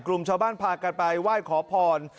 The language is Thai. กลุ่มชาวบ้านพากันไปไหว้ขอพร